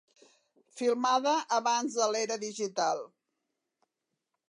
Filmada abans de l'era digital.